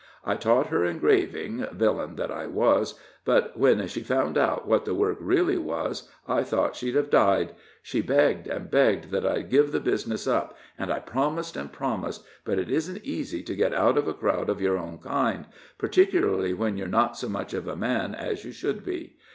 I taught her engraving, villain that I was, but when she found out what the work really was, I thought she'd have died. She begged and begged that I'd give the business up, and I promised and promised, but it isn't easy to get out of a crowd of your own kind, particularly when you're not so much of a man as you should be.